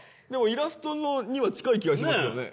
イラストには近い気がしますけどね